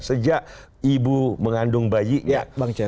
sejak ibu mengandung bayinya